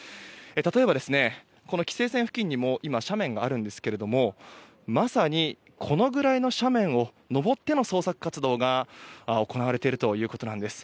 例えば、規制線付近にも今、斜面があるんですけどもまさにこのぐらいの斜面を登っての捜索活動が行われているということです。